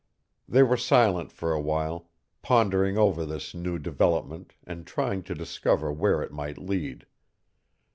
They were silent for a while, pondering over this new development and trying to discover where it might lead.